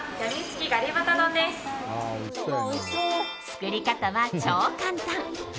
作り方は超簡単。